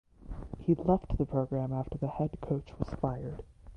He left the program after the head coach was fired.